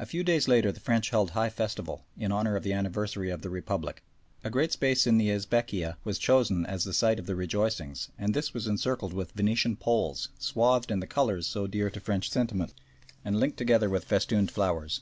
A few days later the French held high festival in honour of the anniversary of the Republic. A great space in the Esbekieh was chosen as the site of the rejoicings, and this was encircled with Venetian poles swathed in the colours so dear to French sentiment, and linked together with festooned flowers.